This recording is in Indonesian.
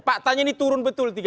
pak tanya ini turun betul tiga puluh